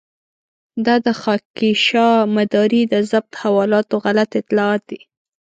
دا د خاکيشاه مداري د ضبط حوالاتو غلط اطلاعات دي.